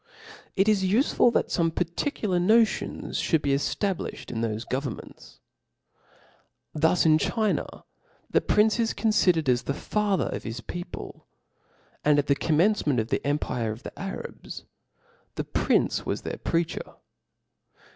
It is ufeful that fome particular notions fhould be eftablifhed in thofe governments : thus in China the prince is confidered as the father of his people } and at the commencement of the empire of die Arabs, the prince was their preacher*.